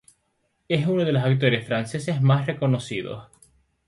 Es uno de los actores franceses más reconocidos.